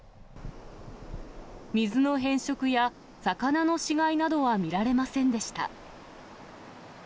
水の変色や、魚の死骸などは見られませんでした。